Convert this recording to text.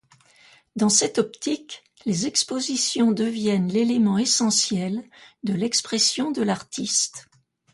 Dans cette optique les expositions deviennent l’élément essentiel de l’expression de l’artiste.